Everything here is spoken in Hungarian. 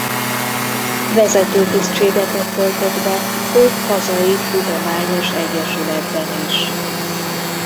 Vezető tisztségeket töltött be több hazai tudományos egyesületben is.